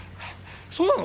そうなの？